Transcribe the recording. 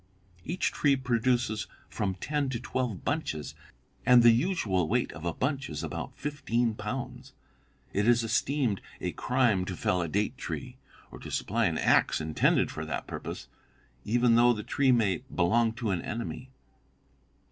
Each tree produces from ten to twelve bunches, and the usual weight of a bunch is about fifteen pounds. It is esteemed a crime to fell a date tree or to supply an axe intended for that purpose, even though the tree may belong to an enemy.